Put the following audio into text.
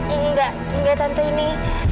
enggak enggak tante ini